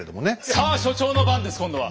さあ所長の番です今度は！